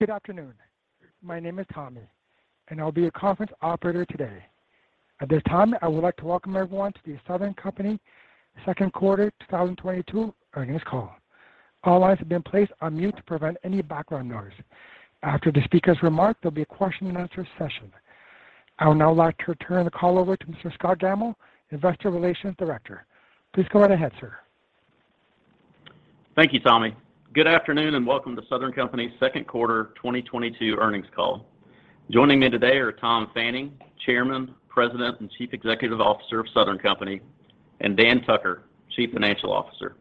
Good afternoon. My name is Tommy, and I'll be your conference operator today. At this time, I would like to welcome everyone to The Southern Company Second Quarter 2022 Earnings Call. All lines have been placed on mute to prevent any background noise. After the speaker's remark, there'll be a question-and-answer session. I would now like to turn the call over to Mr. Scott Gammill, Investor Relations Director. Please go right ahead, sir. Thank you, Tommy. Good afternoon, and welcome to Southern Company's Second Quarter 2022 Earnings Call. Joining me today are Tom Fanning, Chairman, President, and Chief Executive Officer of Southern Company, and Dan Tucker, Chief Financial Officer.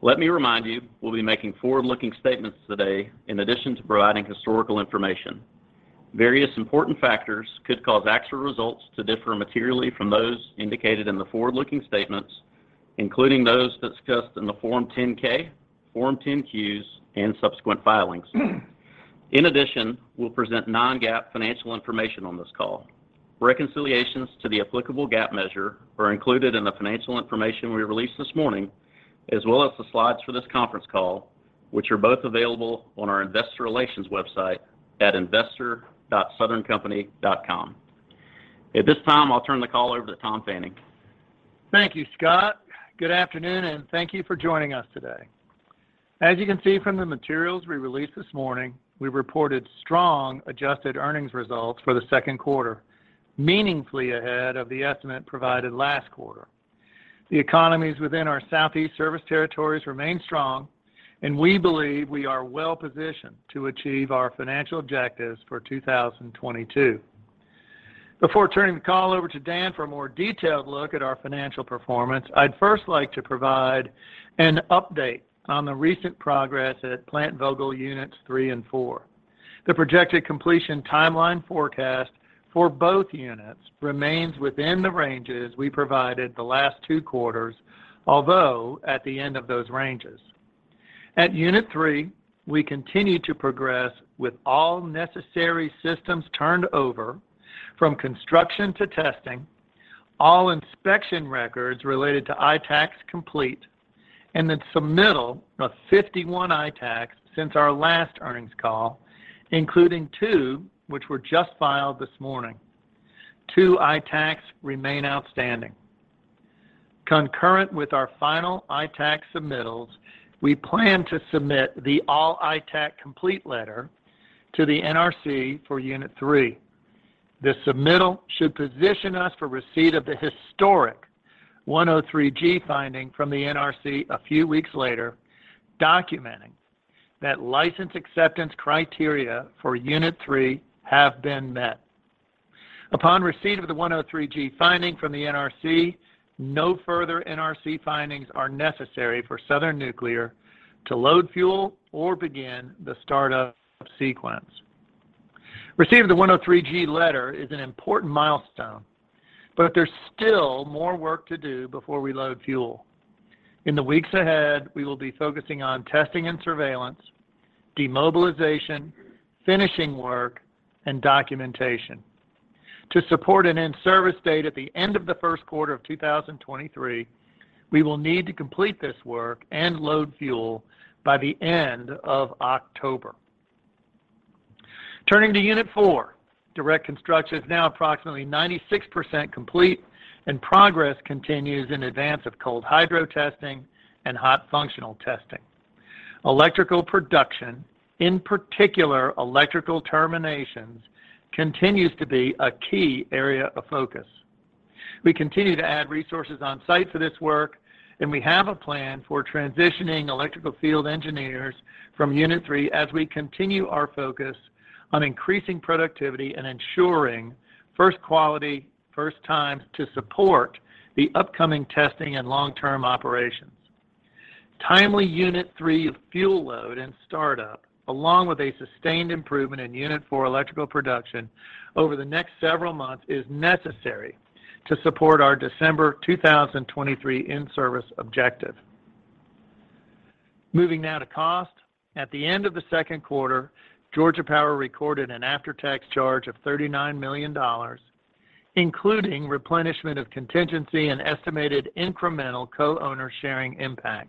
Let me remind you, we'll be making forward-looking statements today in addition to providing historical information. Various important factors could cause actual results to differ materially from those indicated in the forward-looking statements, including those discussed in the Form 10-K, Form 10-Qs, and subsequent filings. In addition, we'll present non-GAAP financial information on this call. Reconciliations to the applicable GAAP measure are included in the financial information we released this morning, as well as the slides for this conference call, which are both available on our investor relations website at investor.southerncompany.com. At this time, I'll turn the call over to Tom Fanning. Thank you, Scott. Good afternoon and thank you for joining us today. As you can see from the materials we released this morning, we reported strong adjusted earnings results for the second quarter, meaningfully ahead of the estimate provided last quarter. The economies within our Southeast service territories remain strong, and we believe we are well-positioned to achieve our financial objectives for 2022. Before turning the call over to Dan for a more detailed look at our financial performance, I'd first like to provide an update on the recent progress at Plant Vogtle Units 3 and 4. The projected completion timeline forecast for both units remains within the ranges we provided the last two quarters, although at the end of those ranges. At Unit 3, we continue to progress with all necessary systems turned over from construction to testing, all inspection records related to ITAACs complete, and the submittal of 51 ITAACs since our last earnings call, including two which were just filed this morning. Two ITAACs remain outstanding. Concurrent with our final ITAAC submittals, we plan to submit the all-ITAAC complete letter to the NRC for Unit 3. This submittal should position us for receipt of the historic 103(g) finding from the NRC a few weeks later, documenting that license acceptance criteria for Unit 3 have been met. Upon receipt of the 103(g) finding from the NRC, no further NRC findings are necessary for Southern Nuclear to load fuel or begin the startup sequence. Receiving the 103(g) letter is an important milestone, but there's still more work to do before we load fuel. In the weeks ahead, we will be focusing on testing and surveillance, demobilization, finishing work, and documentation. To support an in-service date at the end of the first quarter of 2023, we will need to complete this work and load fuel by the end of October. Turning to Unit 4, direct construction is now approximately 96% complete and progress continues in advance of cold hydro testing and hot functional testing. Electrical production, in particular electrical terminations, continues to be a key area of focus. We continue to add resources on-site for this work, and we have a plan for transitioning electrical field engineers from Unit 3 as we continue our focus on increasing productivity and ensuring first quality, first time to support the upcoming testing and long-term operations. Timely Unit 3 fuel load and startup, along with a sustained improvement in Unit 4 electrical production over the next several months, is necessary to support our December 2023 in-service objective. Moving now to cost. At the end of the second quarter, Georgia Power recorded an after-tax charge of $39 million, including replenishment of contingency and estimated incremental co-owner sharing impacts.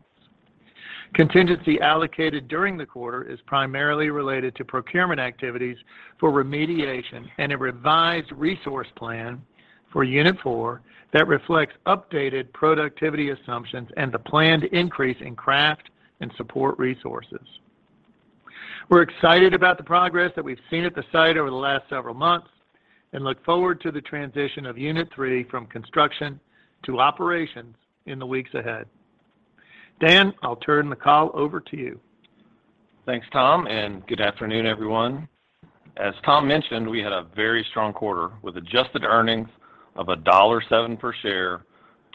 Contingency allocated during the quarter is primarily related to procurement activities for remediation and a revised resource plan for Unit 4 that reflects updated productivity assumptions and the planned increase in craft and support resources. We're excited about the progress that we've seen at the site over the last several months and look forward to the transition of Unit 3 from construction to operations in the weeks ahead. Dan, I'll turn the call over to you. Thanks, Tom, and good afternoon, everyone. As Tom mentioned, we had a very strong quarter with adjusted earnings of $1.07 per share,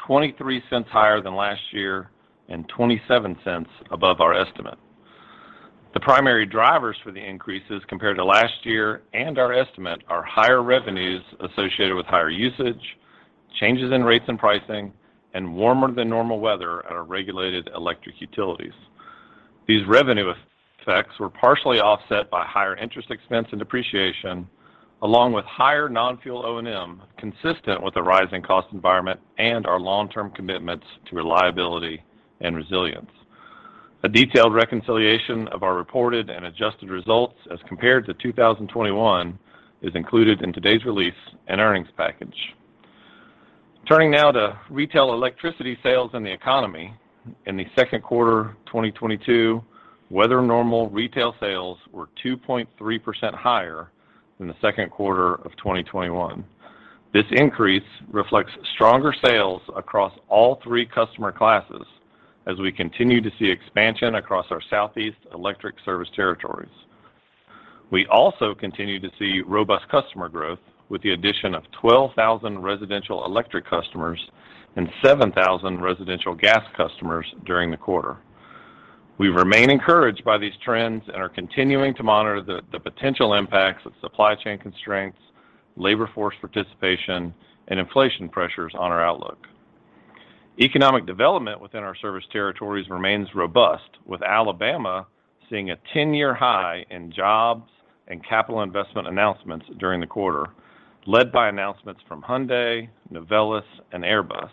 23 cents higher than last year and 27 cents above our estimate. The primary drivers for the increases compared to last year and our estimate are higher revenues associated with higher usage, changes in rates and pricing, and warmer than normal weather at our regulated electric utilities. These revenue effects were partially offset by higher interest expense and depreciation. Along with higher non-fuel O&M, consistent with the rising cost environment and our long-term commitments to reliability and resilience. A detailed reconciliation of our reported and adjusted results as compared to 2021 is included in today's release and earnings package. Turning now to retail electricity sales in the economy. In the second quarter 2022, weather normal retail sales were 2.3% higher than the second quarter of 2021. This increase reflects stronger sales across all three customer classes as we continue to see expansion across our Southeast electric service territories. We also continue to see robust customer growth with the addition of 12,000 residential electric customers and 7,000 residential gas customers during the quarter. We remain encouraged by these trends and are continuing to monitor the potential impacts of supply chain constraints, labor force participation, and inflation pressures on our outlook. Economic development within our service territories remains robust, with Alabama seeing a 10-year high in jobs and capital investment announcements during the quarter, led by announcements from Hyundai, Novelis, and Airbus.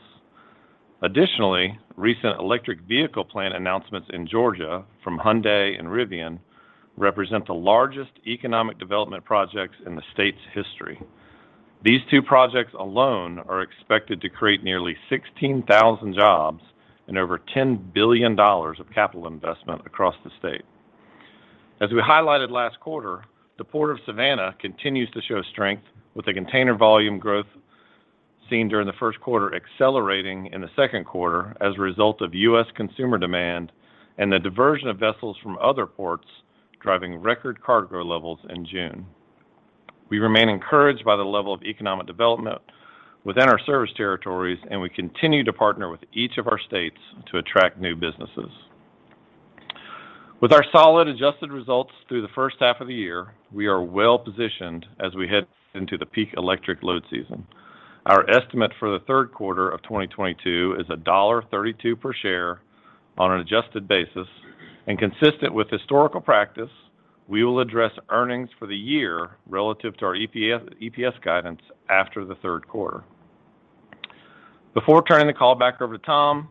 Additionally, recent electric vehicle plant announcements in Georgia from Hyundai and Rivian represent the largest economic development projects in the state's history. These two projects alone are expected to create nearly 16,000 jobs and over $10 billion of capital investment across the state. As we highlighted last quarter, the port of Savannah continues to show strength with the container volume growth seen during the first quarter accelerating in the second quarter as a result of U.S. consumer demand and the diversion of vessels from other ports driving record cargo levels in June. We remain encouraged by the level of economic development within our service territories, and we continue to partner with each of our states to attract new businesses. With our solid adjusted results through the first half of the year, we are well-positioned as we head into the peak electric load season. Our estimate for the third quarter of 2022 is $1.32 per share on an adjusted basis. Consistent with historical practice, we will address earnings for the year relative to our EPS guidance after the third quarter. Before turning the call back over to Tom,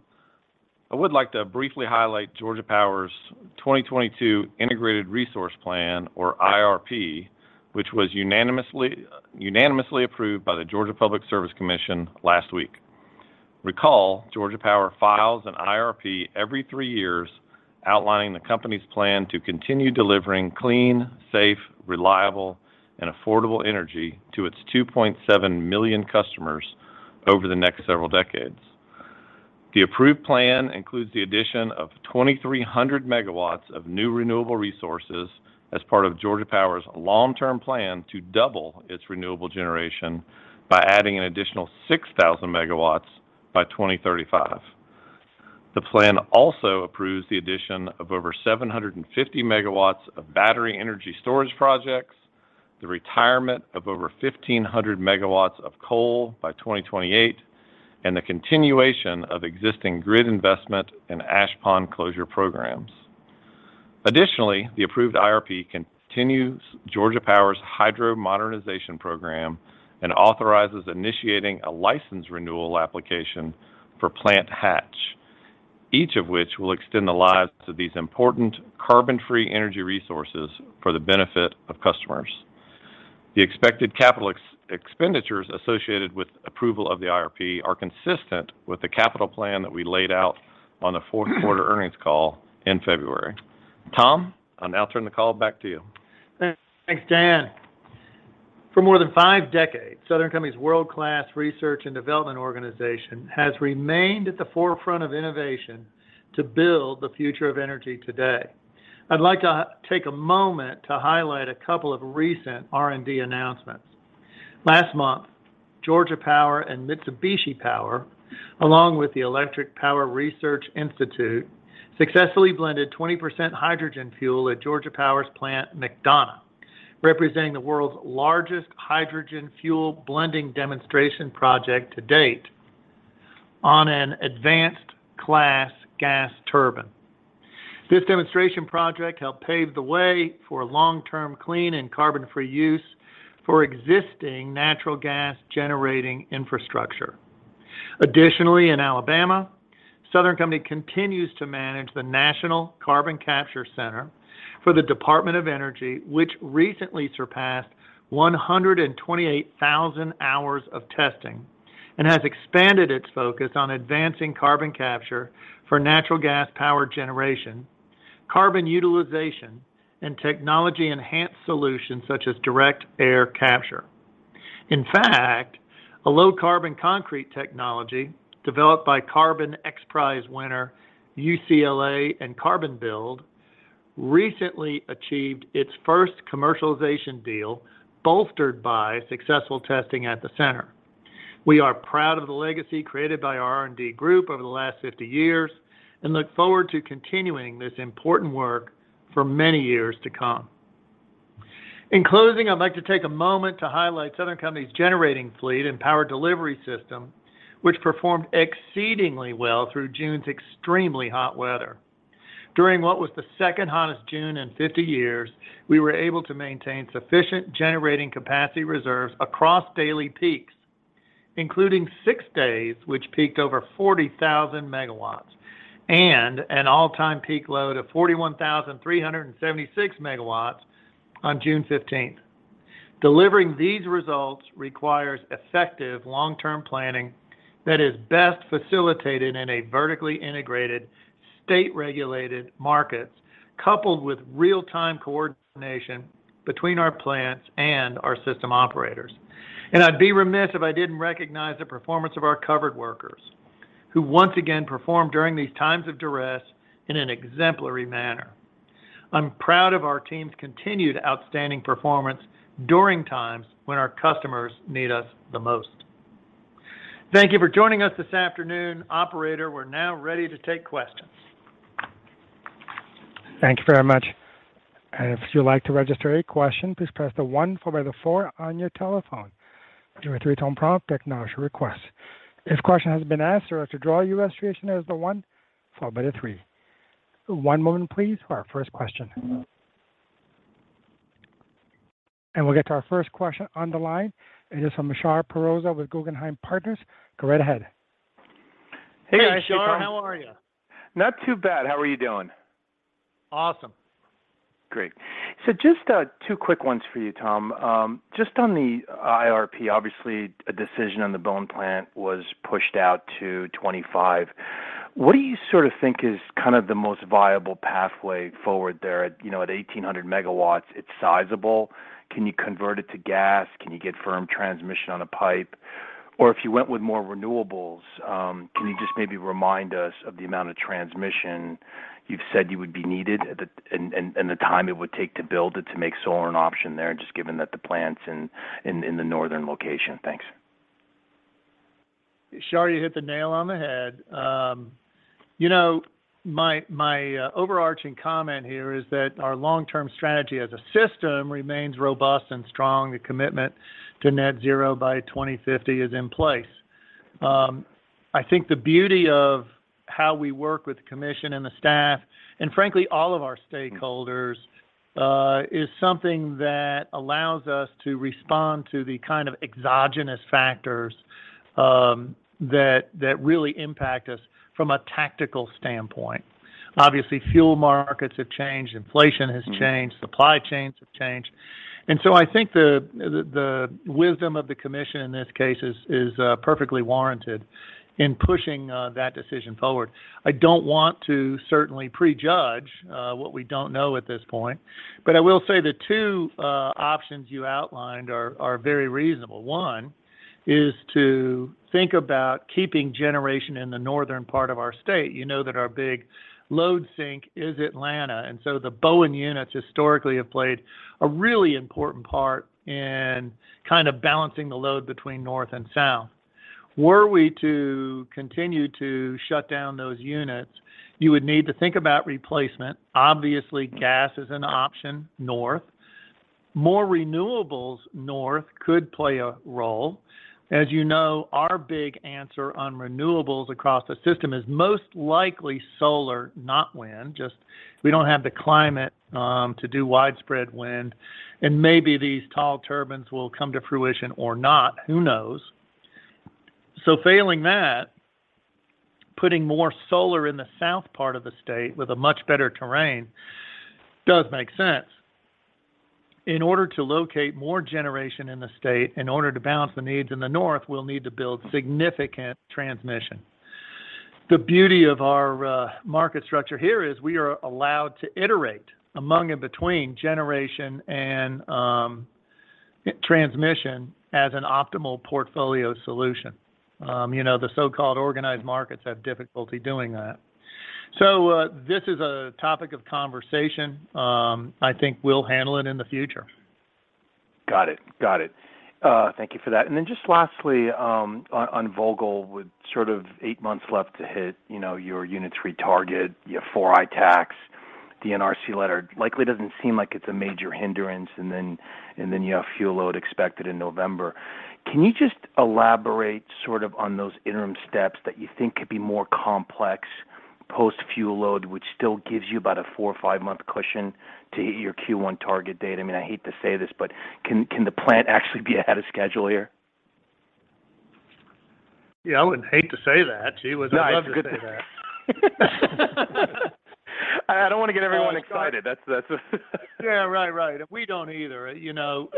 I would like to briefly highlight Georgia Power's 2022 integrated resource plan or IRP, which was unanimously approved by the Georgia Public Service Commission last week. Recall, Georgia Power files an IRP every three years outlining the company's plan to continue delivering clean, safe, reliable, and affordable energy to its 2.7 million customers over the next several decades. The approved plan includes the addition of 2,300 megawatts of new renewable resources as part of Georgia Power's long-term plan to double its renewable generation by adding an additional 6,000 megawatts by 2035. The plan also approves the addition of over 750 megawatts of battery energy storage projects, the retirement of over 1,500 megawatts of coal by 2028, and the continuation of existing grid investment and ash pond closure programs. Additionally, the approved IRP continues Georgia Power's hydro modernization program and authorizes initiating a license renewal application for Plant Hatch, each of which will extend the lives of these important carbon-free energy resources for the benefit of customers. The expected capital expenditures associated with approval of the IRP are consistent with the capital plan that we laid out on the fourth quarter earnings call in February. Tom, I'll now turn the call back to you. Thanks, Dan. For more than five decades, Southern Company's world-class research and development organization has remained at the forefront of innovation to build the future of energy today. I'd like to take a moment to highlight a couple of recent R&D announcements. Last month, Georgia Power and Mitsubishi Power, along with the Electric Power Research Institute, successfully blended 20% hydrogen fuel at Georgia Power's Plant McDonough, representing the world's largest hydrogen fuel blending demonstration project to date on an advanced class gas turbine. This demonstration project helped pave the way for long-term clean and carbon-free use for existing natural gas generating infrastructure. Additionally, in Alabama, Southern Company continues to manage the National Carbon Capture Center for the Department of Energy, which recently surpassed 128,000 hours of testing and has expanded its focus on advancing carbon capture for natural gas power generation, carbon utilization, and technology-enhanced solutions such as direct air capture. In fact, a low-carbon concrete technology developed by Carbon XPRIZE winner UCLA and CarbonBuilt recently achieved its first commercialization deal, bolstered by successful testing at the center. We are proud of the legacy created by our R&D group over the last 50 years and look forward to continuing this important work for many years to come. In closing, I'd like to take a moment to highlight Southern Company's generating fleet and power delivery system, which performed exceedingly well through June's extremely hot weather. During what was the second hottest June in 50 years, we were able to maintain sufficient generating capacity reserves across daily peaks, including 6 days which peaked over 40,000 megawatts and an all-time peak load of 41,376 megawatts on June fifteenth. Delivering these results requires effective long-term planning that is best facilitated in a vertically integrated, state-regulated markets coupled with real-time coordination between our plants and our system operators. I'd be remiss if I didn't recognize the performance of our covered workers, who once again performed during these times of duress in an exemplary manner. I'm proud of our team's continued outstanding performance during times when our customers need us the most. Thank you for joining us this afternoon. Operator, we're now ready to take questions. Thank you very much. If you'd like to register a question, please press the one followed by the four on your telephone. You'll hear a three-tone prompt to acknowledge your request. If a question has been asked or if you'd like to withdraw your registration, press the one followed by the three. One moment please for our first question. We'll get to our first question on the line. It is from Shar Pourreza with Guggenheim Partners. Go right ahead. Hey, Shar. How are you? Not too bad. How are you doing? Awesome. Great. Just two quick ones for you, Tom. Just on the IRP, obviously a decision on the Bowen plant was pushed out to 2025. What do you sort of think is kind of the most viable pathway forward there at, you know, at 1,800 megawatts, it's sizable. Can you convert it to gas? Can you get firm transmission on a pipe? Or if you went with more renewables, can you just maybe remind us of the amount of transmission you'd said you would be needed and the time it would take to build it to make solar an option there, just given that the plant's in the northern location? Thanks. Shar, you hit the nail on the head. You know, my overarching comment here is that our long-term strategy as a system remains robust and strong. The commitment to net zero by 2050 is in place. I think the beauty of how we work with the commission and the staff, and frankly, all of our stakeholders, is something that allows us to respond to the kind of exogenous factors that really impact us from a tactical standpoint. Obviously, fuel markets have changed, inflation has changed, supply chains have changed. I think the wisdom of the commission in this case is perfectly warranted in pushing that decision forward. I don't want to certainly prejudge what we don't know at this point. I will say the two options you outlined are very reasonable. One is to think about keeping generation in the northern part of our state. You know that our big load sink is Atlanta. The Bowen units historically have played a really important part in kind of balancing the load between North and South. Were we to continue to shut down those units, you would need to think about replacement. Obviously, gas is an option north. More renewables north could play a role. As you know, our big answer on renewables across the system is most likely solar, not wind. Just we don't have the climate to do widespread wind. Maybe these tall turbines will come to fruition or not. Who knows? Failing that, putting more solar in the south part of the state with a much better terrain does make sense. In order to locate more generation in the state, in order to balance the needs in the north, we'll need to build significant transmission. The beauty of our market structure here is we are allowed to iterate among and between generation and transmission as an optimal portfolio solution. You know, the so-called organized markets have difficulty doing that. This is a topic of conversation. I think we'll handle it in the future. Got it. Thank you for that. Just lastly, on Vogtle, with sort of 8 months left to hit your unit's retarget, your four ITAACs. The NRC letter likely doesn't seem like it's a major hindrance. Then you have fuel load expected in November. Can you just elaborate sort of on those interim steps that you think could be more complex post-fuel load, which still gives you about a 4-5-month cushion to hit your Q1 target date? I mean, I hate to say this, but can the plant actually be ahead of schedule here? Yeah. I wouldn't hate to say that. Gee, wouldn't I love to say that. I don't want to get everyone excited. That's. Yeah. Right. We don't either. You know,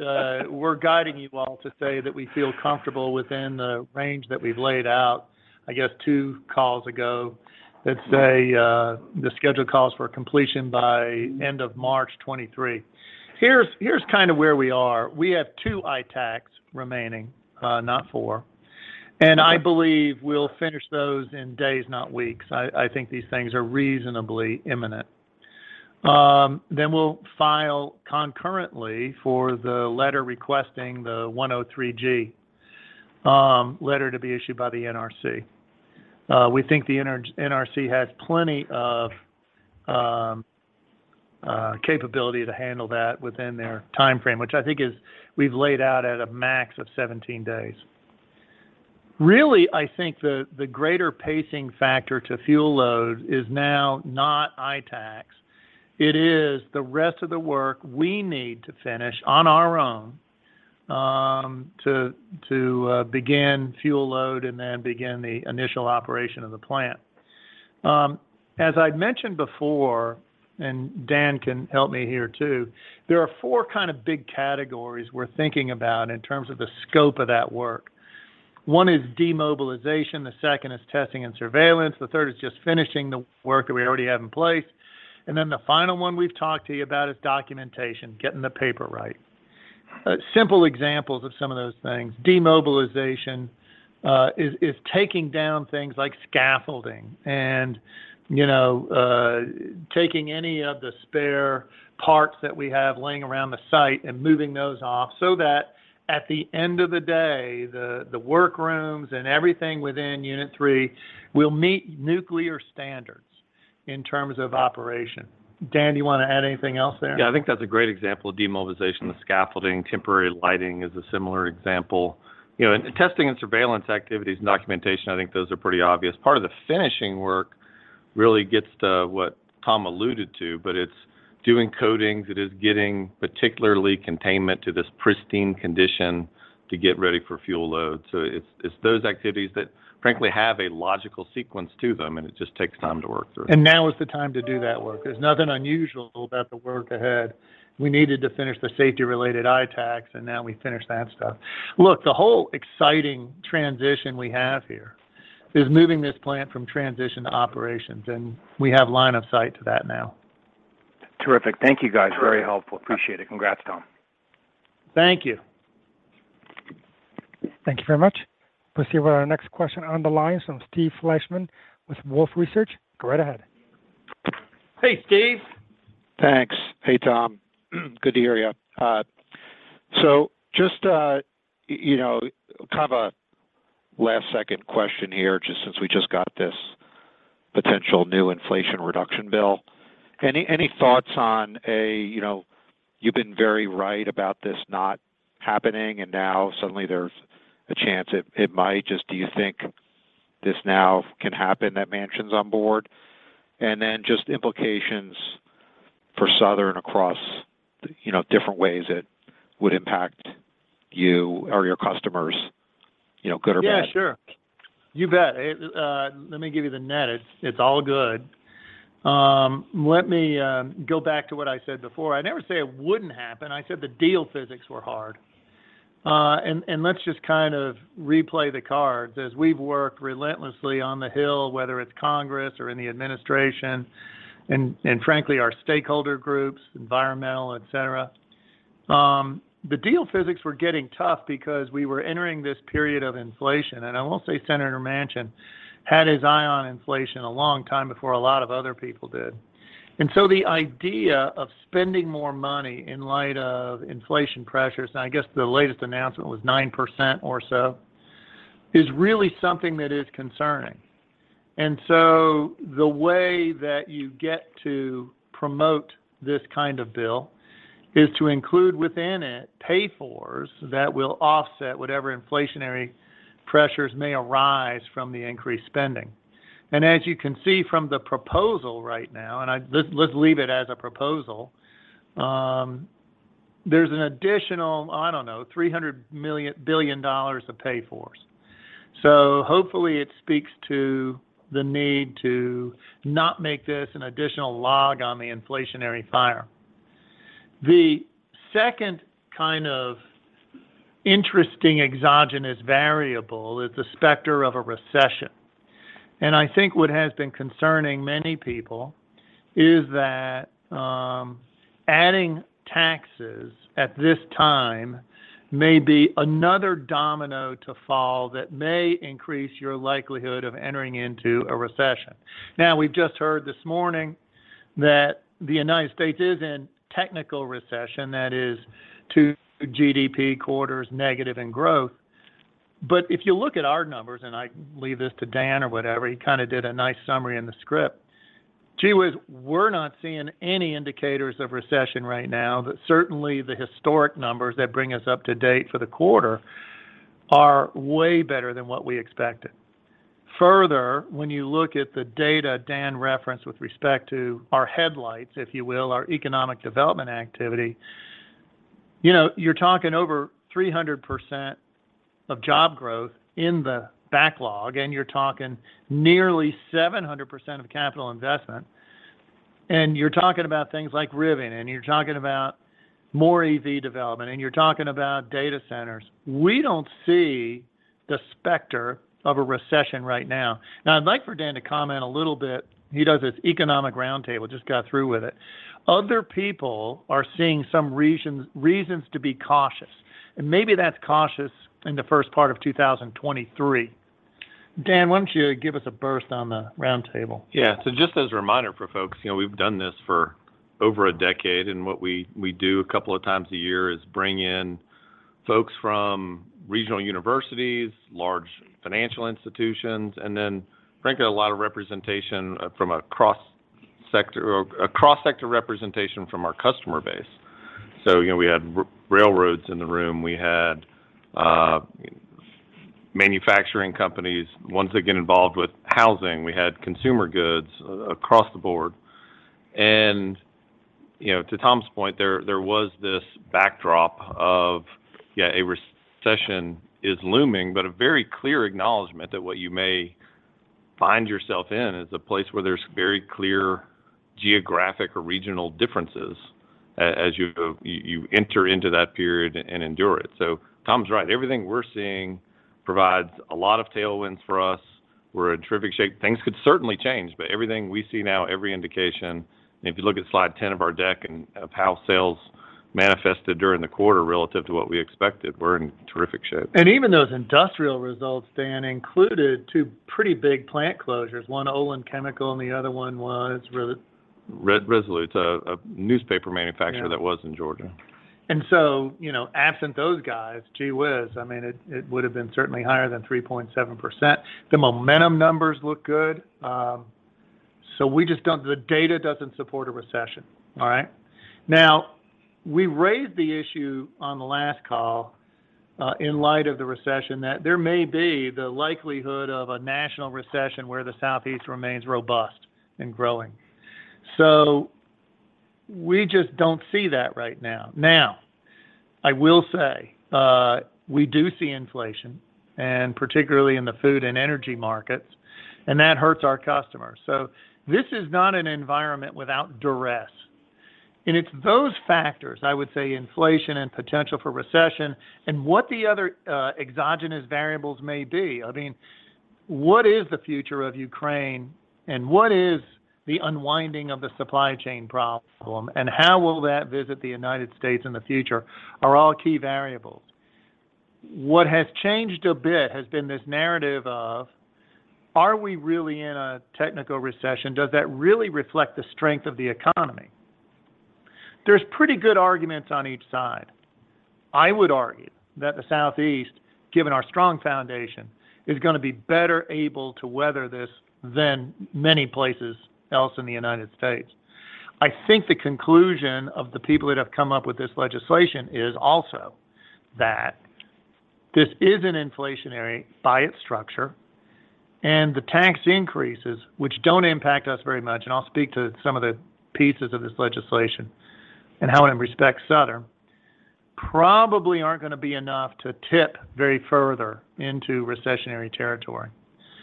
we're guiding you all to say that we feel comfortable within the range that we've laid out, I guess, two calls ago. Let's say, the schedule calls for completion by end of March 2023. Here's kind of where we are. We have two ITAACs remaining, not four. I believe we'll finish those in days, not weeks. I think these things are reasonably imminent. We'll file concurrently for the letter requesting the 103(g) letter to be issued by the NRC. We think the NRC has plenty of capability to handle that within their timeframe, which I think we've laid out at a max of seventeen days. Really, I think the greater pacing factor to fuel load is now not ITAACs. It is the rest of the work we need to finish on our own, to begin fuel load and then begin the initial operation of the plant. As I'd mentioned before, and Dan can help me here too, there are four kind of big categories we're thinking about in terms of the scope of that work. One is demobilization, the second is testing and surveillance, the third is just finishing the work that we already have in place, and then the final one we've talked to you about is documentation, getting the paper right. Simple examples of some of those things. Demobilization is taking down things like scaffolding and, you know, taking any of the spare parts that we have laying around the site and moving those off so that at the end of the day, the work rooms and everything within Unit 3 will meet nuclear standards in terms of operation. Dan, do you wanna add anything else there? Yeah, I think that's a great example of demobilization. The scaffolding, temporary lighting is a similar example. You know, and testing and surveillance activities and documentation, I think those are pretty obvious. Part of the finishing work really gets to what Tom alluded to, but it's doing coatings, it is getting particularly containment to this pristine condition to get ready for fuel load. It's those activities that frankly have a logical sequence to them, and it just takes time to work through. Now is the time to do that work. There's nothing unusual about the work ahead. We needed to finish the safety-related ITAACs, and now we finish that stuff. Look, the whole exciting transition we have here is moving this plant from transition to operations, and we have line of sight to that now. Terrific. Thank you, guys. Sure. Very helpful. Appreciate it. Congrats, Tom. Thank you. Thank you very much. Let's see what our next question on the line. Steven Fleishman with Wolfe Research, go right ahead. Hey, Steve. Thanks. Hey, Tom. Good to hear you. So just, you know, kind of a last-second question here, just since we just got this potential new inflation reduction bill. Any thoughts on. You know, you've been very right about this not happening, and now suddenly there's a chance it might. Just do you think this now can happen, that Manchin's on board. Just implications for Southern across, you know, different ways it would impact you or your customers, you know, good or bad? Yeah, sure. You bet. Let me give you the net. It's all good. Let me go back to what I said before. I never say it wouldn't happen. I said the deal physics were hard. Let's just kind of replay the cards. As we've worked relentlessly on the Hill, whether it's Congress or in the administration and frankly, our stakeholder groups, environmental, etc., the deal physics were getting tough because we were entering this period of inflation. I will say Senator Manchin had his eye on inflation a long time before a lot of other people did. The idea of spending more money in light of inflation pressures, and I guess the latest announcement was 9% or so, is really something that is concerning. The way that you get to promote this kind of bill is to include within it pay-fors that will offset whatever inflationary pressures may arise from the increased spending. As you can see from the proposal right now, let's leave it as a proposal, there's an additional, I don't know, $300 billion of pay-fors. Hopefully it speaks to the need to not make this an additional log on the inflationary fire. The second kind of interesting exogenous variable is the specter of a recession. I think what has been concerning many people is that, adding taxes at this time may be another domino to fall that may increase your likelihood of entering into a recession. Now, we've just heard this morning that the United States is in technical recession, that is two GDP quarters negative in growth. If you look at our numbers, and I leave this to Dan or whatever, he kind of did a nice summary in the script. Gee, whiz, we're not seeing any indicators of recession right now, but certainly the historic numbers that bring us up to date for the quarter are way better than what we expected. Further, when you look at the data Dan referenced with respect to our headlights, if you will, our economic development activity, you know, you're talking over 300% of job growth in the backlog, and you're talking nearly 700% of capital investment, and you're talking about things like Rivian, and you're talking about more EV development, and you're talking about data centers. We don't see the specter of a recession right now. Now, I'd like for Dan to comment a little bit. He does this economic roundtable, just got through with it. Other people are seeing some reasons to be cautious, and maybe that's cautious in the first part of 2023. Dan, why don't you give us a burst on the roundtable? Just as a reminder for folks, you know, we've done this for over a decade, and what we do a couple of times a year is bring in folks from regional universities, large financial institutions, and then frankly, a lot of representation from a cross-sector from our customer base. We had railroads in the room. We had manufacturing companies. Ones that get involved with housing. We had consumer goods across the board. To Tom's point, there was this backdrop of a recession is looming, but a very clear acknowledgement that what you may find yourself in is a place where there's very clear geographic or regional differences as you enter into that period and endure it. Tom's right. Everything we're seeing provides a lot of tailwinds for us. We're in terrific shape. Things could certainly change, but everything we see now, every indication, and if you look at slide 10 of our deck and of how sales manifested during the quarter relative to what we expected, we're in terrific shape. Even those industrial results, Dan, included two pretty big plant closures, one Olin Corporation, and the other one was Resolute Forest Products. Resolute, a newspaper manufacturer. Yeah That was in Georgia. You know, absent those guys, gee whiz, I mean, it would've been certainly higher than 3.7%. The momentum numbers look good. We just don't. The data doesn't support a recession. All right. Now, we raised the issue on the last call, in light of the recession that there may be the likelihood of a national recession where the Southeast remains robust and growing. We just don't see that right now. Now, I will say, we do see inflation, and particularly in the food and energy markets, and that hurts our customers. This is not an environment without duress. It's those factors, I would say inflation and potential for recession and what the other exogenous variables may be. I mean, what is the future of Ukraine, and what is the unwinding of the supply chain problem, and how will that affect the United States in the future are all key variables. What has changed a bit has been this narrative of, are we really in a technical recession? Does that really reflect the strength of the economy? There's pretty good arguments on each side. I would argue that the Southeast, given our strong foundation, is gonna be better able to weather this than many places else in the United States. I think the conclusion of the people that have come up with this legislation is also that this is an inflationary by its structure, and the tax increases, which don't impact us very much, and I'll speak to some of the pieces of this legislation and how it affects Southern, probably aren't gonna be enough to tip very further into recessionary territory.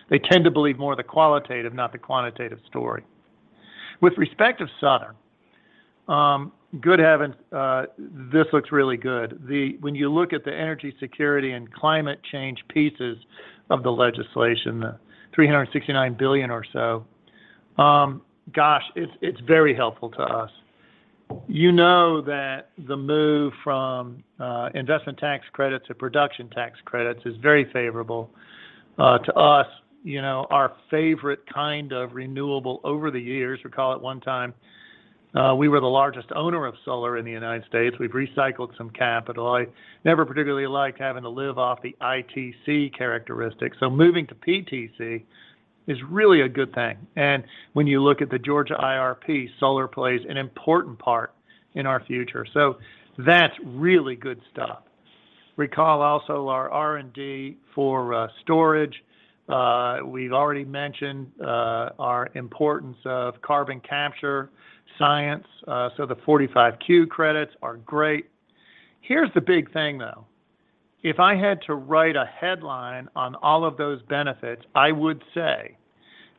They tend to believe more of the qualitative, not the quantitative story. With respect to Southern, good heavens, this looks really good. When you look at the energy security and climate change pieces of the legislation, the $369 billion or so, it's very helpful to us. You know that the move from investment tax credits to production tax credits is very favorable to us. You know, our favorite kind of renewable over the years, recall at one time, we were the largest owner of solar in the United States. We've recycled some capital. I never particularly liked having to live off the ITC characteristics. Moving to PTC is really a good thing. When you look at the Georgia IRP, solar plays an important part in our future. That's really good stuff. Recall also our R&D for storage. We've already mentioned our importance of carbon capture science. The 45Q credits are great. Here's the big thing, though. If I had to write a headline on all of those benefits, I would say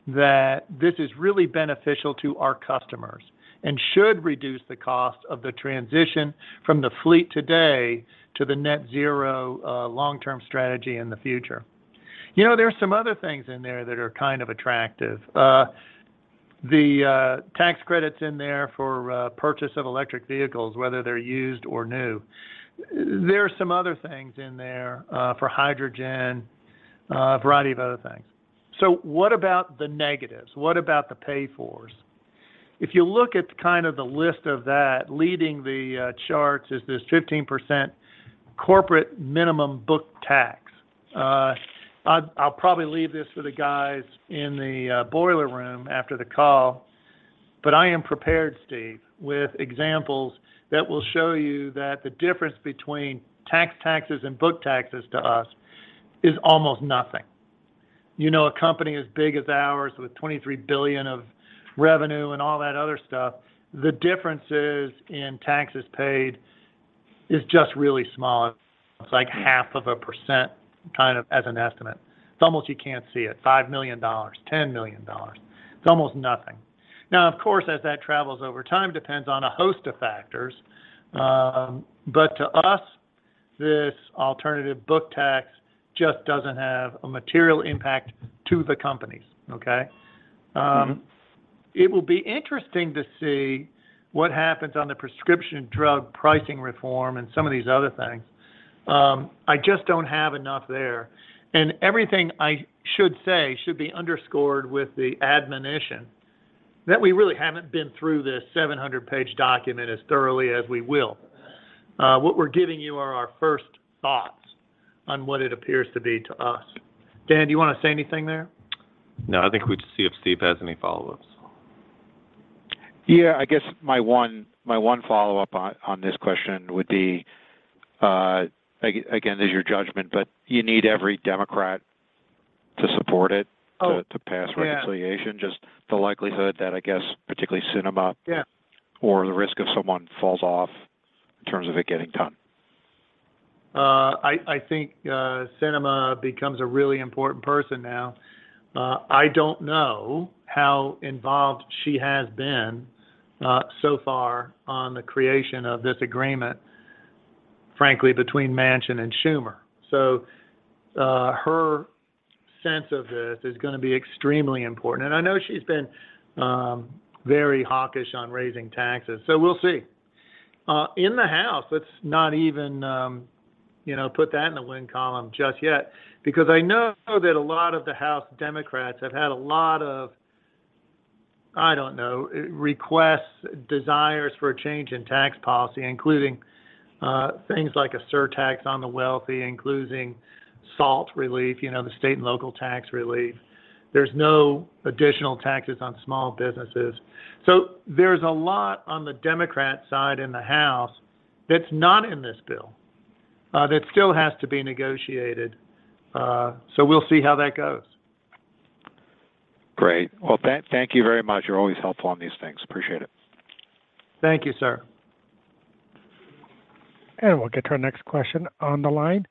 that this is really beneficial to our customers and should reduce the cost of the transition from the fleet today to the net zero long-term strategy in the future. You know, there's some other things in there that are kind of attractive. The tax credits in there for purchase of electric vehicles, whether they're used or new. There are some other things in there for hydrogen, a variety of other things. What about the negatives? What about the pay-fors? If you look at kind of the list of that, leading the charts is this 15% corporate minimum book tax. I'll probably leave this for the guys in the boiler room after the call, but I am prepared, Steve, with examples that will show you that the difference between taxes and book taxes to us is almost nothing. You know, a company as big as ours with $23 billion of revenue and all that other stuff, the differences in taxes paid is just really small. It's like 0.5% kind of as an estimate. It's almost, you can't see it., $5 million, $10 million. It's almost nothing. Now, of course, as that travels over time, depends on a host of factors. But to us, this alternative book tax just doesn't have a material impact to the companies, okay? It will be interesting to see what happens on the prescription drug pricing reform and some of these other things. I just don't have enough there. Everything I should say should be underscored with the admonition that we really haven't been through this 700-page document as thoroughly as we will. What we're giving you are our first thoughts on what it appears to be to us. Dan, do you wanna say anything there? No, I think we just see if Steve has any follow-ups. Yeah. I guess my one follow-up on this question would be, again, this is your judgment, but you need every Democrat to support it. Oh. to pass reconciliation. Yeah. Just the likelihood that, I guess, particularly Sinema. Yeah the risk of someone falling off in terms of it getting done. I think Kyrsten Sinema becomes a really important person now. I don't know how involved she has been so far on the creation of this agreement, frankly, between Manchin and Schumer. Her sense of this is gonna be extremely important. I know she's been very hawkish on raising taxes, so we'll see. In the House, let's not even you know put that in the win column just yet, because I know that a lot of the House Democrats have had a lot of requests, desires for a change in tax policy, including things like a surtax on the wealthy, including SALT relief, you know, the state and local tax relief. There's no additional taxes on small businesses. There's a lot on the Democrat side in the House that's not in this bill that still has to be negotiated, so we'll see how that goes. Great. Well, thank you very much. You're always helpful on these things. Appreciate it. Thank you, sir. We'll get to our next question on the line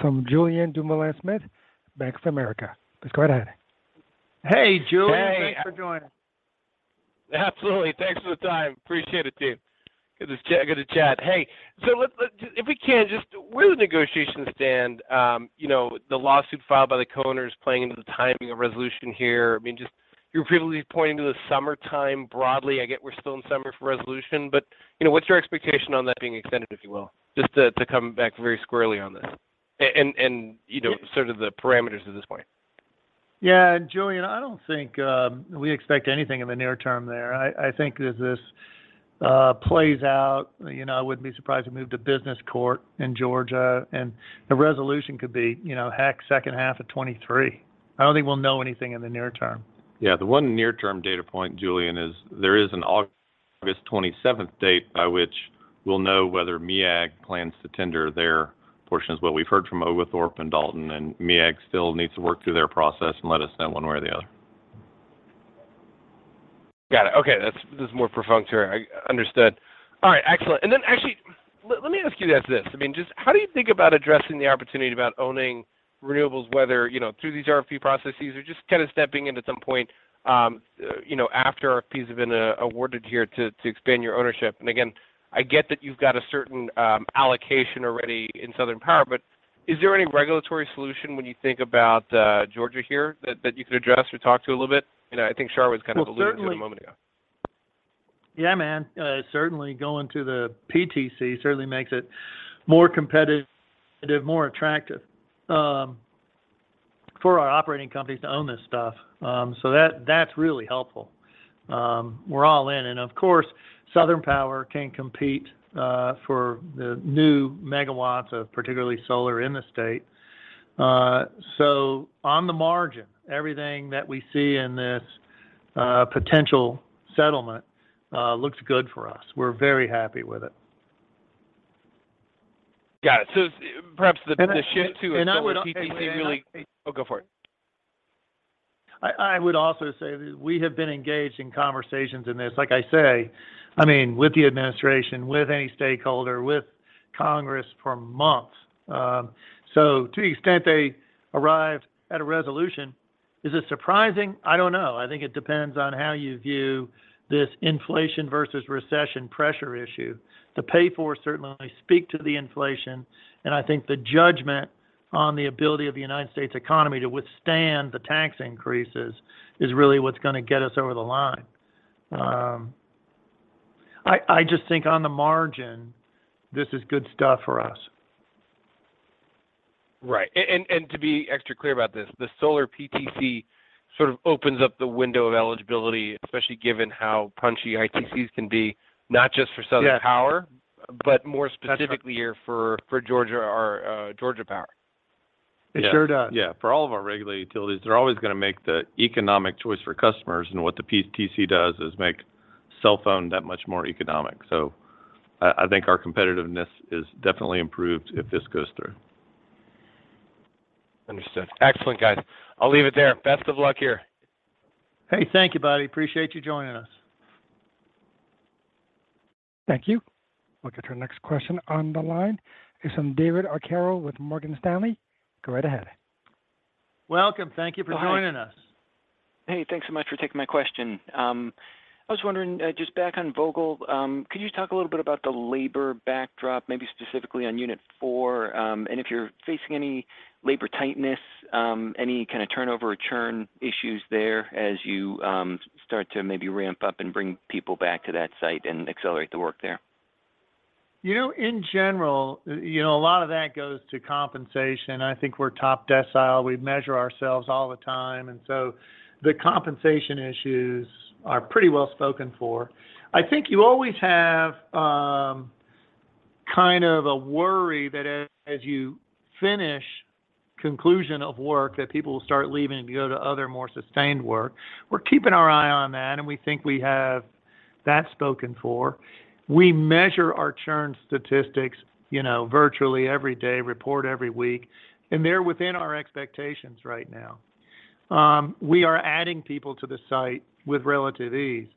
from Julien Dumoulin-Smith, Bank of America. Please go right ahead. Hey, Julien. Hey. Thanks for joining us. Absolutely. Thanks for the time. Appreciate it, team. Get to chat. Hey, so if we can, just where do the negotiations stand, you know, the lawsuit filed by the co-owners playing into the timing of resolution here? I mean, just you're previously pointing to the summertime broadly. I get we're still in summer for resolution, but, you know, what's your expectation on that being extended, if you will? Just to come back very squarely on this and, you know, sort of the parameters at this point. Julien, I don't think we expect anything in the near term there. I think as this plays out, you know, I wouldn't be surprised to move to business court in Georgia, and the resolution could be, you know, heck, second half of 2023. I don't think we'll know anything in the near term. Yeah. The one near term data point, Julian, is there is an August twenty-seventh date by which we'll know whether MEAG plans to tender their portions. What we've heard from Oglethorpe and Dalton, and MEAG still needs to work through their process and let us know one way or the other. Got it. Okay. That's just more perfunctory. I understood. All right, excellent. Actually, let me ask you guys this. I mean, just how do you think about addressing the opportunity about owning renewables, whether, you know, through these RFP processes or just kind of stepping in at some point, you know, after RFPs have been awarded here to expand your ownership? I get that you've got a certain allocation already in Southern Power, but is there any regulatory solution when you think about Georgia here that you could address or talk to a little bit? You know, I think Shar was kind of alluding to it a moment ago. Well, certainly. Yeah, man. Certainly, going to the PTC certainly makes it more competitive, more attractive, for our operating companies to own this stuff. That, that's really helpful. We're all in. Of course, Southern Power can compete for the new megawatts of particularly solar in the state. On the margin, everything that we see in this potential settlement looks good for us. We're very happy with it. Got it. Perhaps the shift to a solar PTC really- I would. Oh, go for it. I would also say we have been engaged in conversations in this, like I say, I mean, with the administration, with any stakeholder, with Congress for months. To the extent they arrive at a resolution, is it surprising? I don't know. I think it depends on how you view this inflation versus recession pressure issue. The pay-fors certainly speak to the inflation, and I think the judgment on the ability of the United States economy to withstand the tax increases is really what's gonna get us over the line. I just think on the margin, this is good stuff for us. Right. To be extra clear about this, the solar PTC sort of opens up the window of eligibility, especially given how punchy ITCs can be, not just for Southern Power- Yes More specifically here for Georgia or Georgia Power. It sure does. Yeah. For all of our regulated utilities, they're always gonna make the economic choice for customers, and what the PTC does is make solar that much more economic. I think our competitiveness is definitely improved if this goes through. Understood. Excellent, guys. I'll leave it there. Best of luck here. Hey, thank you, buddy. Appreciate you joining us. Thank you. We'll get to our next question on the line. It's from David Arcaro with Morgan Stanley. Go right ahead. Welcome. Thank you for joining us. Go ahead. Hey, thanks so much for taking my question. I was wondering, just back on Vogtle, could you talk a little bit about the labor backdrop, maybe specifically on Unit 4, and if you're facing any labor tightness, any kind of turnover or churn issues there as you start to maybe ramp up and bring people back to that site and accelerate the work there? You know, in general, you know, a lot of that goes to compensation. I think we're top decile. We measure ourselves all the time, and so the compensation issues are pretty well spoken for. I think you always have kind of a worry that as you finish conclusion of work that people will start leaving and go to other more sustained work. We're keeping our eye on that, and we think we have that spoken for. We measure our churn statistics, you know, virtually every day, report every week, and they're within our expectations right now. We are adding people to the site with relative ease.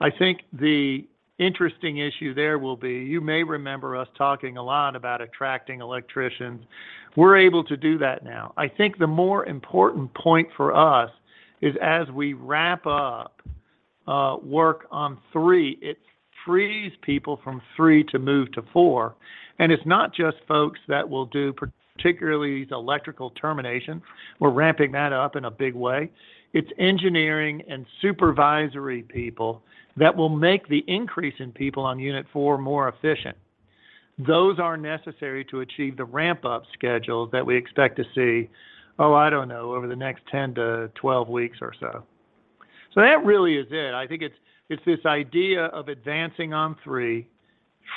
I think the interesting issue there will be; you may remember us talking a lot about attracting electricians. We're able to do that now. I think the more important point for us is as we wrap up work on three, it frees people from three to move to four. It's not just folks that will do particularly the electrical termination. We're ramping that up in a big way. It's engineering and supervisory people that will make the increase in people on Unit 4 more efficient. Those are necessary to achieve the ramp-up schedule that we expect to see, I don't know, over the next 10-12 weeks or so. That really is it. I think it's this idea of advancing on three,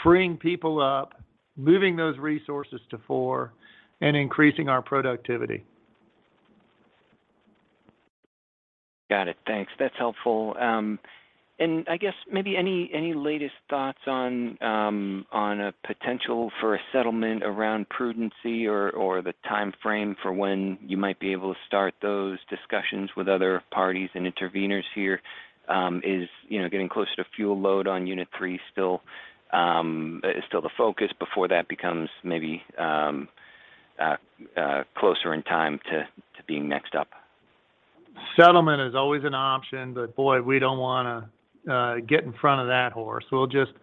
freeing people up, moving those resources to four, and increasing our productivity. Got it. Thanks. That's helpful. I guess maybe any latest thoughts on a potential for a settlement around prudency or the timeframe for when you might be able to start those discussions with other parties and interveners here. Is, you know, getting closer to fuel load on Unit 3 still the focus before that becomes maybe closer in time to being next up? Settlement is always an option, but boy, we don't wanna get in front of that horse. We'll just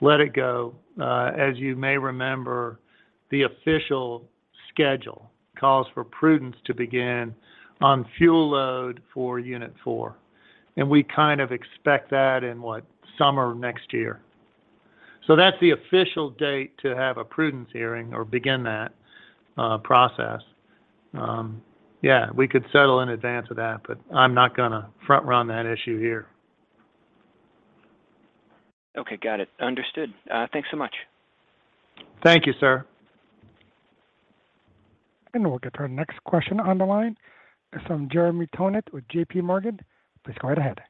let it go. As you may remember, the official schedule calls for prudence to begin on fuel load for Unit 4. We kind of expect that in what? Summer of next year. That's the official date to have a prudence hearing or begin that process. Yeah, we could settle in advance of that, but I'm not gonna front run that issue here. Okay. Got it. Understood. Thanks so much. Thank you, sir. We'll get to our next question on the line. It's from Jeremy Tonet with J.P. Morgan. Please go right ahead.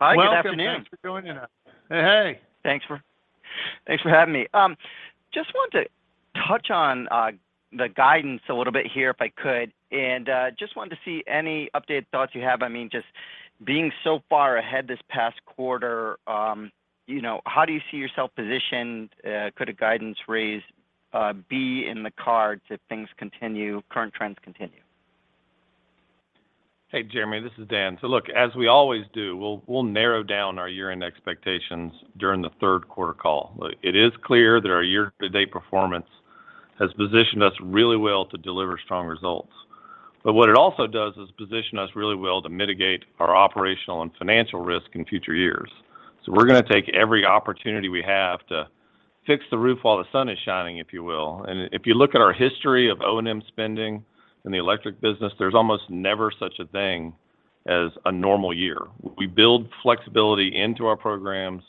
Hi, good afternoon. Welcome. Thanks for joining us. Hey. Thanks for having me. Just want to touch on the guidance a little bit here, if I could. Just wanted to see any updated thoughts you have. I mean, just being so far ahead this past quarter, you know, how do you see yourself positioned? Could a guidance raise be in the cards if things continue, current trends continue? Hey, Jeremy, this is Dan. Look, as we always do, we'll narrow down our year-end expectations during the third quarter call. It is clear that our year-to-date performance has positioned us really well to deliver strong results. What it also does is position us really well to mitigate our operational and financial risk in future years. We're gonna take every opportunity we have to fix the roof while the sun is shining if you will. If you look at our history of O&M spending in the electric business, there's almost never such a thing as a normal year. We build flexibility into our programs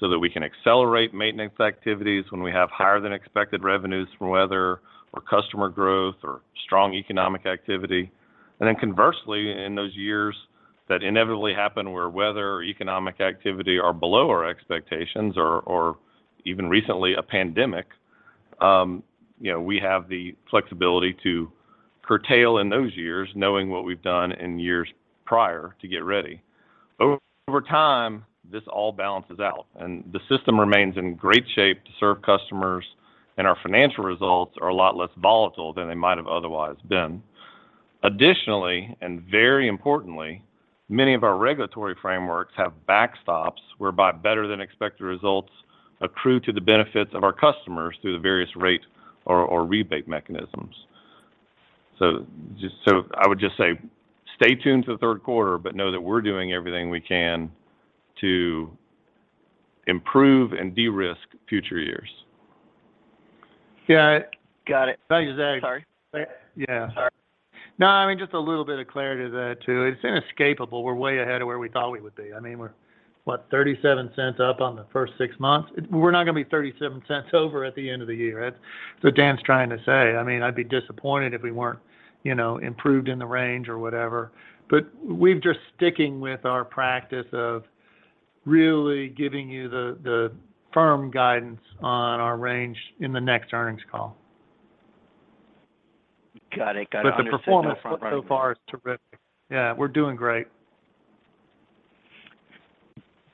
so that we can accelerate maintenance activities when we have higher than expected revenues from weather or customer growth or strong economic activity. Conversely, in those years that inevitably happen where weather or economic activity are below our expectations or even recently a pandemic, you know, we have the flexibility to curtail in those years knowing what we've done in years prior to get ready. Over time, this all balances out, and the system remains in great shape to serve customers, and our financial results are a lot less volatile than they might have otherwise been. Additionally, very importantly, many of our regulatory frameworks have backstops whereby better than expected results accrue to the benefits of our customers through the various rate or rebate mechanisms. I would just say stay tuned to the third quarter, but know that we're doing everything we can to improve and de-risk future years. Yeah. Got it. Sorry. Yeah. Sorry. No, I mean, just a little bit of clarity to that, too. It's inescapable. We're way ahead of where we thought we would be. I mean, we're, what? $0.37 up on the first six months. We're not going to be $0.37 over at the end of the year. That's what Dan's trying to say. I mean, I'd be disappointed if we weren't, you know, improved in the range or whatever. We've just sticking with our practice of really giving you the firm guidance on our range in the next earnings call. Got it. Understood. The performance so far is terrific. Yeah, we're doing great.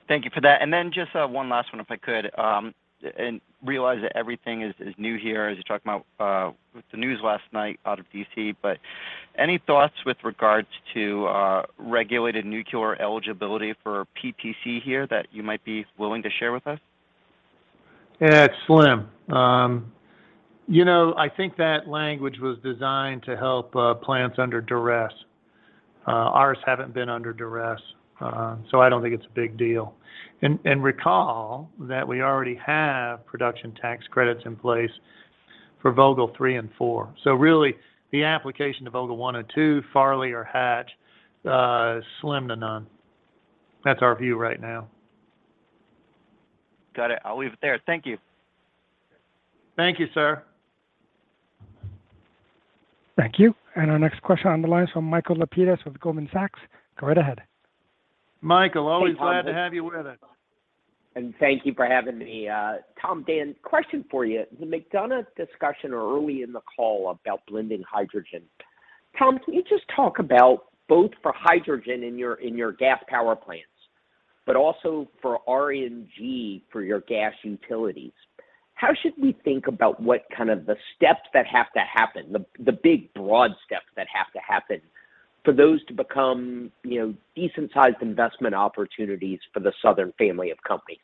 Thank you for that. Then just one last one, if I could. Realize that everything is new here as you're talking about with the news last night out of D.C. Any thoughts with regards to regulated nuclear eligibility for PTC here that you might be willing to share with us? Yeah, it's slim. You know, I think that language was designed to help plants under duress. Ours haven't been under duress, so I don't think it's a big deal. Recall that we already have production tax credits in place for Vogtle 3 and 4. Really, the application to Vogtle 1 and 2, Farley or Hatch, slim to none. That's our view right now. Got it. I'll leave it there. Thank you. Thank you, sir. Thank you. Our next question on the line is from Michael Lapides with Goldman Sachs. Go right ahead. Michael, always glad to have you with us. Thank you for having me. Tom, Dan, question for you. The McDonough discussion early in the call about blending hydrogen. Tom, can you just talk about both for hydrogen in your gas power plants, but also for RNG for your gas utilities, how should we think about what kind of the steps that have to happen, the big broad steps that have to happen for those to become, you know, decent-sized investment opportunities for the Southern Family of companies?